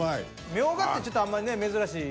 ミョウガってちょっとあんまりね珍しい。